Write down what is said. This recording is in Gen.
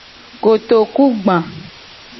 Kotoku gba.